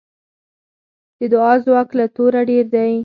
د دعا ځواک له توره ډېر دی.